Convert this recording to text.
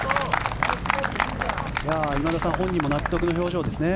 今田さん本人も納得の表情ですね。